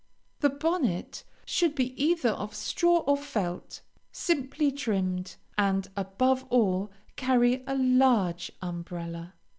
The bonnet should be either of straw or felt, simply trimmed; and, above all, carry a large umbrella.